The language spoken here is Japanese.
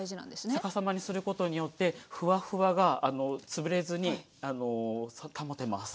逆さまにすることによってふわふわが潰れずに保てます。